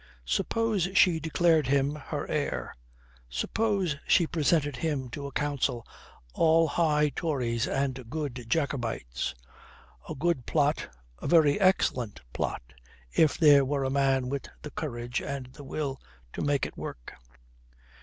Suppose she declared him her heir; suppose she presented him to a Council all high Tories and good Jacobites! A good plot, a very excellent plot, if there were a man with the courage and the will to make it work.